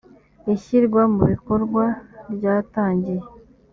ishyirwa mubikorwa ryatangiye.